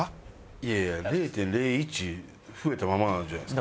いやいや０．０１増えたままなんじゃないですか。